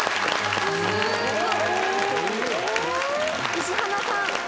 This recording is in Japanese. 石花さん